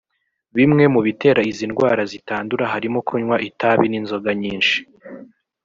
Bimwe mu bitera izi ndwara zitandura harimo kunywa itabi n’inzoga nyinshi